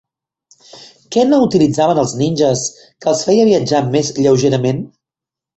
Què no utilitzaven els ninges que els feia viatjar més lleugerament?